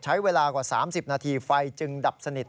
ใช้เวลากว่า๓๐นาทีไฟจึงดับสนิท